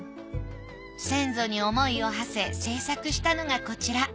先祖に思いをはせ制作したのがこちら。